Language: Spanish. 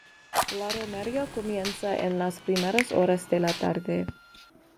La romería comienza en las primeras horas de la tarde.